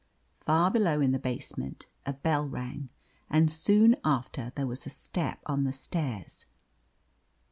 Far below, in the basement, a bell rang, and soon after there was a step on the stairs.